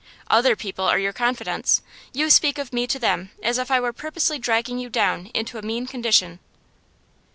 Other people are your confidants; you speak of me to them as if I were purposely dragging you down into a mean condition.